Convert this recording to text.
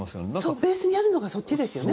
ベースにあるのがそっちですよね。